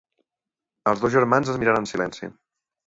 Els dos germans es miren en silenci.